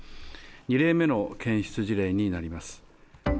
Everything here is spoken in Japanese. ２例目の検出事例になります。